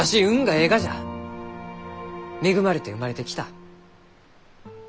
恵まれて生まれてきた。